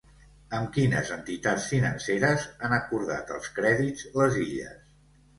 Amb quines entitats financeres han acordat els crèdits les Illes?